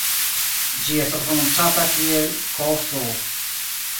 Ĝi estas prononcata kiel "ks".